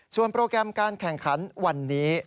ส่วนโปรแกรมการแข่งขันวันนี้